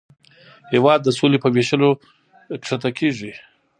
هېواد د سولې په ویشلو ښکته کېږي.